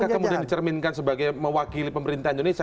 tapi bisakah kemudian dicerminkan sebagai mewakili pemerintahan indonesia